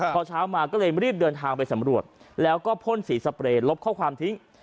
พอเช้ามาก็เลยรีบเดินทางไปสำรวจแล้วก็พ่นสีสเปรย์ลบข้อความทิ้ง